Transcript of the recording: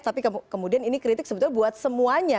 tapi kemudian ini kritik sebetulnya buat semuanya